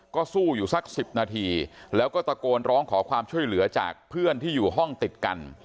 ก็สู้อยู่สัก๑๐นาทีแล้วก็ตะโกนร้องขอความช่วยเหลือจากเพื่อนที่อยู่ห้องติดกัน